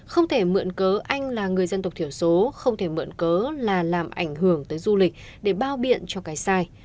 không thể mượn cớ anh là người dân tộc thiểu số không thể mượn cớ là làm ảnh hưởng tới du lịch để bao biện cho cái sai